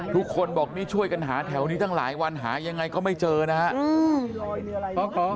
ทุกคนบอกนี่ช่วยกันหาแถวนี้ตั้งหลายวันหายังไงก็ไม่เจอนะครับ